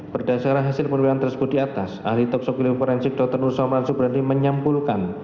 berdasarkan hasil penyelidikan tersebut di atas ahli toksogliu forensik dr nur somran subrani menyampulkan